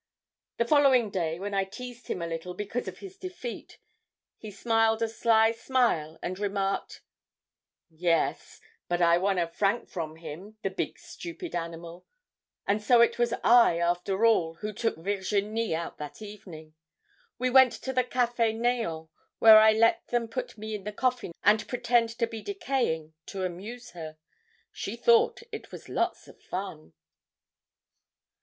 "The following day, when I teased him a little because of his defeat, he smiled a sly smile and remarked: "'Yes, but I won a franc from him, the big stupid animal. And so it was I, after all, who took Virginie out that evening. We went to the Cafe "Neant," where I let them put me in the coffin and pretend to be decaying, to amuse her. She thought it was lots of fun.'